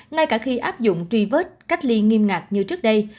ngay cả khi áp dụng tri vết cách ly nghiêm ngạc như trước đây